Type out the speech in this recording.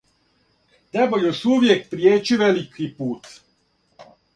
Треба још увијек пријећи велики пут.